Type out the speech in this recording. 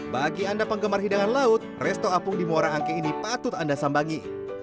bagi anda penggemar hidangan laut resto apung di muara angke ini patut anda sambangi